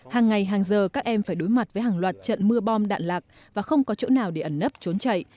hàng ngày hàng giờ các em phải đối mặt với hàng loạt trận mưa bom đạn lạc và không có chỗ nào để ẩn nấp trốn chạy